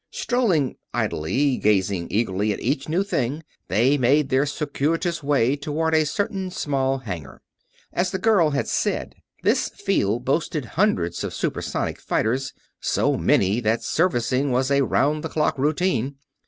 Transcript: Strolling idly, gazing eagerly at each new thing, they made their circuitous way toward a certain small hangar. As the girl had said, this field boasted hundreds of super sonic fighters, so many that servicing was a round the clock routine.